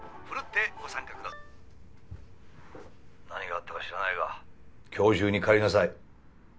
何があったか知らないが今日中に帰りなさい。